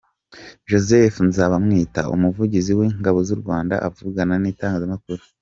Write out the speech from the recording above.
Joseph Nzabamwita, umuvugizi w’Ingabo z’u Rwanda avugana n’itangazmakuru.